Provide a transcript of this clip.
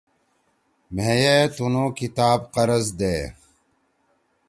مھیئے تُنُو کتاب قرض دے۔